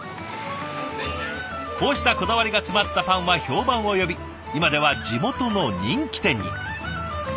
こうしたこだわりが詰まったパンは評判を呼び今では地元の人気店に。